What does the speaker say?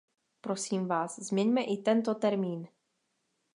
Prosím vás, změňme i tento termín!